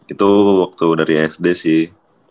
itu waktu dari sd sih